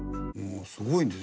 すごいね。